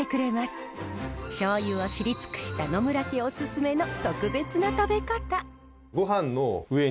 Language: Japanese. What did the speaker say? しょうゆを知り尽くした野村家おすすめの特別な食べ方。